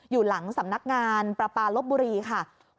อยู่หลังสำนักงานประปาลบบุรีค่ะ